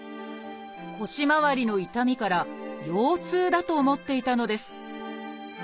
腰まわりの痛みから腰痛だと思っていたのです